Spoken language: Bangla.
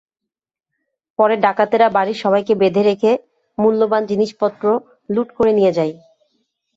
পরে ডাকাতেরা বাড়ির সবাইকে বেঁধে রেখে মূল্যবান জিনিসপত্র লুট করে নিয়ে যায়।